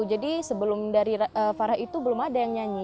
jadi sebelum dari farah itu belum ada yang nyanyi